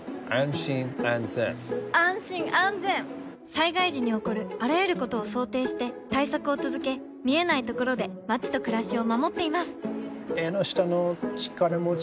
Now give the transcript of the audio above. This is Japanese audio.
災害時に起こるあらゆることを想定して対策を続け見えないところで街と暮らしを守っていますエンノシタノチカラモチ？